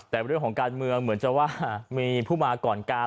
แต่เรื่องของการเมืองเหมือนจะว่ามีผู้มาก่อนการ